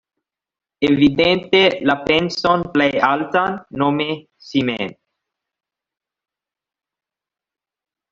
Evidente la penson plej altan, nome si mem.